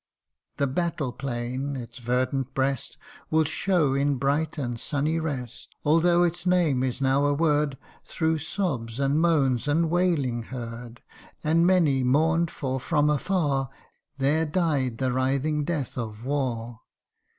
The battle plain its verdant breast Will show in bright and sunny rest, y Although its name is now a word Through sobs, and moans, and wailing heard ; And many, mourn 'd for from afar, There died the writhing death of war.